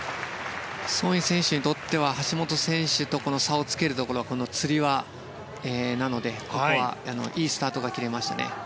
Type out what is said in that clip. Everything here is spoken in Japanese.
ソン・イ選手にとっては橋本選手と差をつけるところはつり輪なのでここはいいスタートが切れましたね。